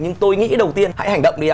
nhưng tôi nghĩ đầu tiên hãy hành động đi ạ